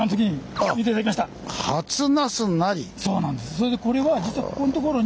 それでこれは実はここのところに。